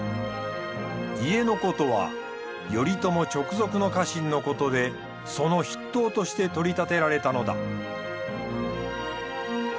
家子とは頼朝直属の家臣のことでその筆頭として取り立てられたのだ。